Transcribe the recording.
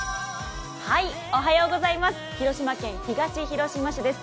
広島県東広島市です。